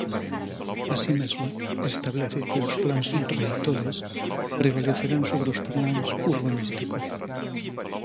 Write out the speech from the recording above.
Así mesmo, establece que os plans reitores prevalecerán sobre os plans urbanísticos.